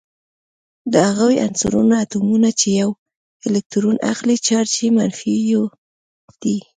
د هغو عنصرونو اتومونه چې یو الکترون اخلي چارج یې منفي یو دی.